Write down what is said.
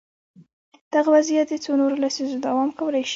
دغه وضعیت د څو نورو لسیزو دوام کولای شي.